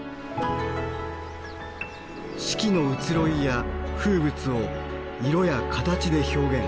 四季の移ろいや風物を色や形で表現。